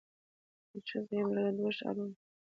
یوه ښځه یو مېړه له دوو ښارونو